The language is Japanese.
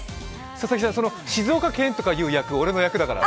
佐々木さん、その「静岡県」とか言う役、俺の役だから。